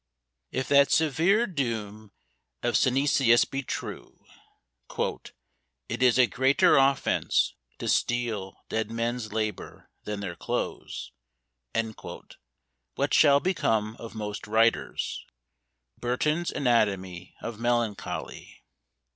If that severe doom of Synesius be true, "It is a greater offence to steal dead men's labor, than their clothes," what shall become of most writers? BURTON'S ANATOMY OF MELANCHOLY.